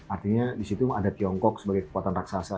artinya di situ ada tiongkok sebagai kekuatan raksasa